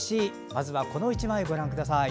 まずはこの１枚をご覧ください。